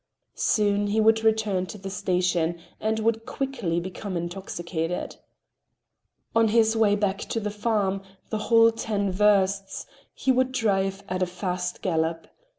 Soon he would return to the station, and would quickly become intoxicated. On his way back to the farm, the whole ten versts, he would drive at a fast gallop.